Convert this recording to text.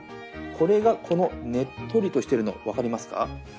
これがこのねっとりとしてるの分かりますか？